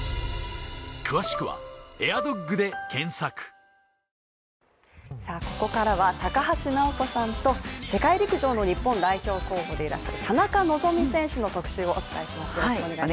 私とママはスゴく似てたり全然違ったりここからは高橋尚子さんと世界陸上の日本代表候補でいらっしゃる田中希実選手の特集をお伝えします。